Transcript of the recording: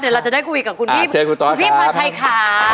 เดี๋ยวเราจะได้คุยกับคุณพี่พอชัยค่ะ